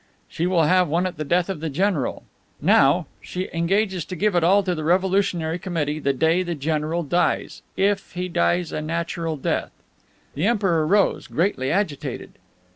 "She will have one at the death of the general. Now she engages to give it all to the Revolutionary Committee the day the general dies if he dies a natural death!" The Emperor rose, greatly agitated.